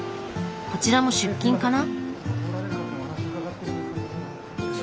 こちらも出勤かな？